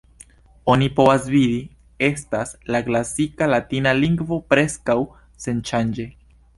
Oni povas vidi, estas la klasika latina lingvo preskaŭ senŝanĝe.